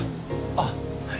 あっはい。